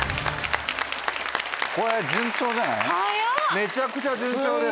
めちゃくちゃ順調です。